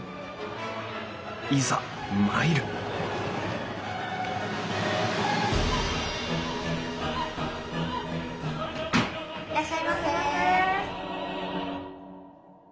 いざ参るいらっしゃいませ。